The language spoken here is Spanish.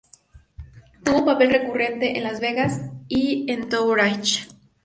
Tuvo un papel recurrente en "Las Vegas" y "Entourage".